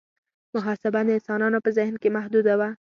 محاسبه د انسانانو په ذهن کې محدوده وه.